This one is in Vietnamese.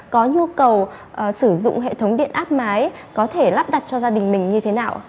có nhu cầu sử dụng hệ thống điện áp mái có thể lắp đặt cho gia đình mình như thế nào